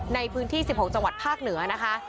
ในพื้นที่๑๖จังหวัดภาคเหนือนะคะ